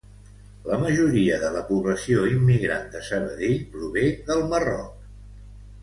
La majoria de la població immigrant de Sabadell prové del Marroc.